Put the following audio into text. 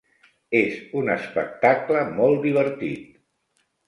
És un espectacle molt divertit.